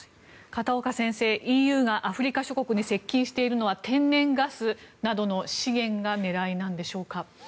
片岡先生、ＥＵがアフリカ諸国に接近しているのは天然ガスなどの資源が狙いなんでしょうか。